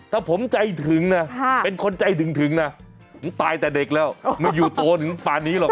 ถ้าผมใจถึงนะเป็นคนใจถึงนะผมตายแต่เด็กแล้วไม่อยู่โตถึงป่านนี้หรอก